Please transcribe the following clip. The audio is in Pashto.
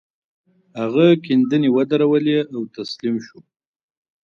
هغه کيندنې ودرولې او تسليم شو.